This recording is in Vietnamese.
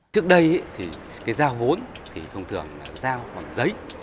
trước đây thì cái giao vốn thì thông thường là giao bằng giấy